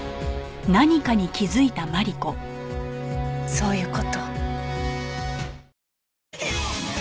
そういう事。